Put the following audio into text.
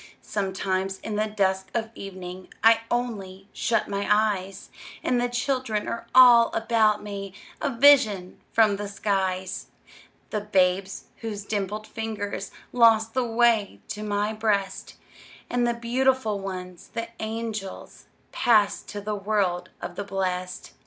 Sometimes, in the dusk of evening, I only shut my eyes, And the children are all about me, A vision from the skies: The babes whose dimpled fingers Lost the way to my breast, And the beautiful ones, the angels, Passed to the world of the blest.